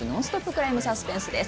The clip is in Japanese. ・クライム・サスペンスです。